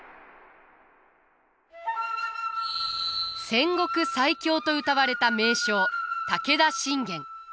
戦国最強とうたわれた名将武田信玄。